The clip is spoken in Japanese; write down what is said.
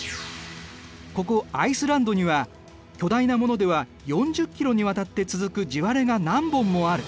ここアイスランドには巨大なものでは４０ｋｍにわたって続く地割れが何本もある。